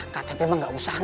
ktp emang nggak usah nen